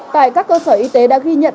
tại các cơ sở y tế đã ghi nhận